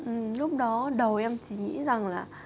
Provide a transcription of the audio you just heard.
ừ lúc đó đầu em chỉ nghĩ rằng là